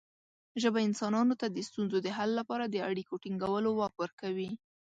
ژبه انسانانو ته د ستونزو د حل لپاره د اړیکو ټینګولو واک ورکوي.